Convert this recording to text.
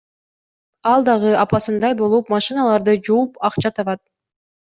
Ал дагы апасындай болуп машиналарды жууп ачка табат.